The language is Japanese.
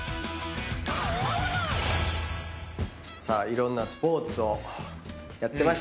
いろんなスポーツをやってましたね。